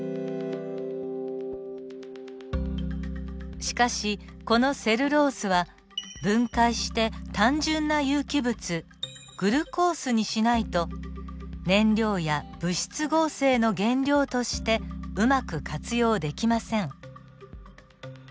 しかしこのセルロースは分解して単純な有機物グルコースにしないと燃料や物質合成の原料としてうまく活用できません。